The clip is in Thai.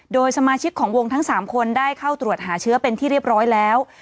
โดยสมาชิกของวงทั้ง๓คนได้เข้าตรวจหาเชื้อเป็นที่เรียบร้อยแล้ว